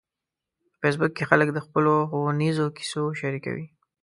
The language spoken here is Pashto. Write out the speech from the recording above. په فېسبوک کې خلک د خپلو ښوونیزو کیسو شریکوي